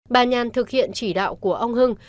bà nhàn thực hiện chỉ đạo của ông hưng